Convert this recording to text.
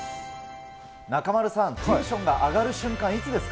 中丸さん、テンションが上がる瞬間、いつですか？